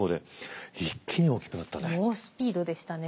猛スピードでしたね。